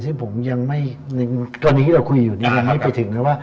ซึ่งผมก่อนนี้คุยอยู่ยังไม่ได้ไปถึงแล้ว